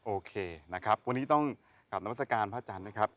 โอเคนะครับวันนี้ต้องกลับนามัศกาลพระจันทร์นะครับ